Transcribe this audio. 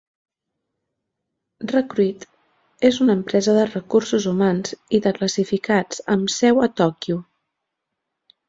Recruit és una empresa de recursos humans i de classificats amb seu a Tòquio.